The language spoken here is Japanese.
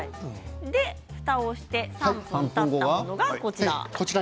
ふたをして３分たったのがこちら。